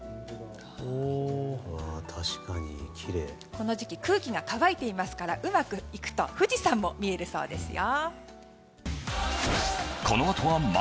この時期、空気が乾いているのでうまくいくと富士山も見えるそうですよ。